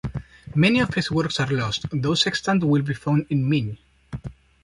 Many of his works are lost; those extant will be found in Migne.